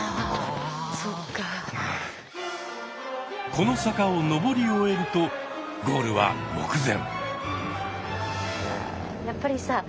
この坂を上り終えるとゴールは目前。